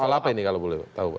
soal apa ini kalau boleh tahu